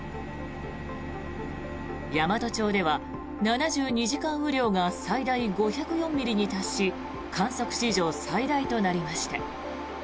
山都町では７２時間雨量が最大５０４ミリに達し観測史上最大となりました。